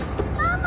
ママ！